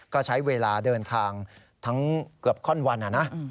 ก็ใช้เวลาเดินทางทั้งเกือบข้อนวันนะ